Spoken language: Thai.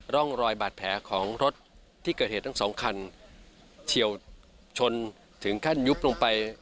ร่องรอยบาดแผลของรถที่เกิดเหตุทั้งสองคันเฉียวชนถึงขั้นยุบลงไป